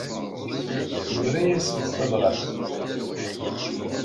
Yura-asent tabrat.